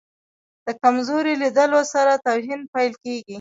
د کمزوري لیدلو سره توهین پیل کېږي.